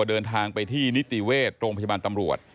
เดินทางไปที่นิติเวชโรงพยาบาลตำรวจ